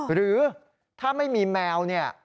หรือถ้าไม่มีแมวเนี่ย